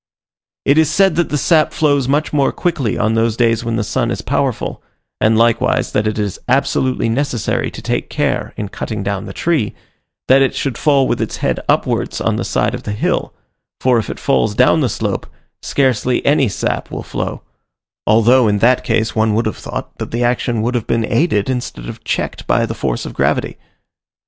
It is said that the sap flows much more quickly on those days when the sun is powerful; and likewise, that it is absolutely necessary to take care, in cutting down the tree, that it should fall with its head upwards on the side of the hill; for if it falls down the slope, scarcely any sap will flow; although in that case one would have thought that the action would have been aided, instead of checked, by the force of gravity.